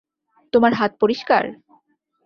তোমার হাত পরিষ্কার?